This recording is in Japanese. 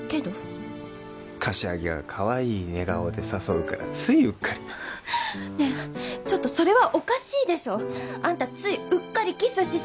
柏木がかわいい寝顔で誘うからついうっかりねぇちょっとそれはおかしいでしょあんたついうっかりキスしすぎなのよ！